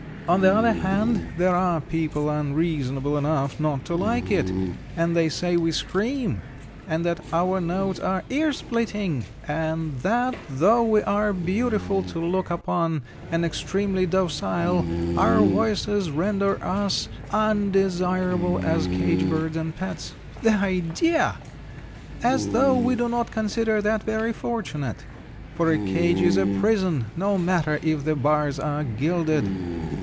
On the other hand there are people unreasonable enough not to like it, and they say we 'scream' and that our notes are 'ear splitting' and that, though we are beautiful to look upon and extremely docile, our voices render us undesirable as cage birds or pets. The idea! As though we do not consider that very fortunate! for a cage is a prison, no matter if the bars are gilded.